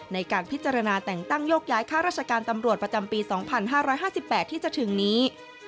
ในการพิจารณาแต่งตั้งโยกย้ายข้าราชการตำรวจประจำปี๒๕๕๘ที่จะถึงนี้